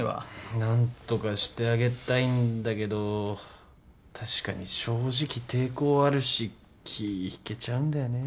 何とかしてあげたいんだけど確かに正直抵抗あるし気引けちゃうんだよね。